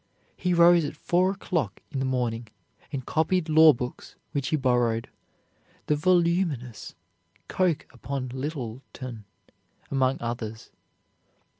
He rose at four o'clock in the morning and copied law books which he borrowed, the voluminous "Coke upon Littleton" among others.